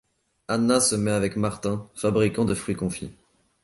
Anna se met avec Martin, fabricant de fruits confits.